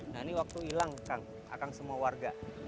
nah ini waktu hilang kang akan semua warga